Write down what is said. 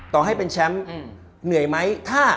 ต่อให้เป็นแชมป์เหนื่อยไหม